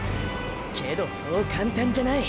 けどそう簡単じゃない。